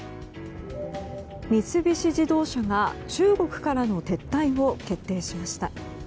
三菱自動車が中国からの撤退を決定しました。